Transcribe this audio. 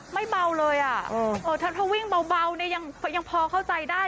ไม่เบาเลยถ้าวิ่งเบานี่ยังพอเข้าใจได้